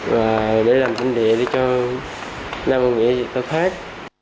và để làm tính địa để cho nam bà nghĩa có khác